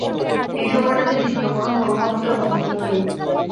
এই সময়টাতে দ্বিতীয় কোন মরু ভালুকের মুখোমুখি হইনি।